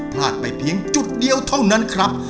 พลาดไปเพียงจุดเดียวเท่านั้นครับ